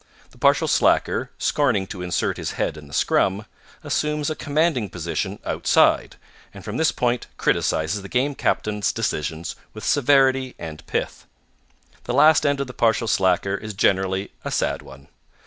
The partial slacker, scorning to insert his head in the scrum, assumes a commanding position outside and from this point criticises the Game Captain's decisions with severity and pith. The last end of the partial slacker is generally a sad one.